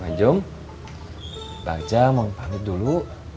wajom bagja mau pamit dulu